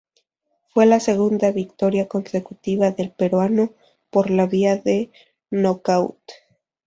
Fue la segunda victoria consecutiva del peruano por la vía del nocaut.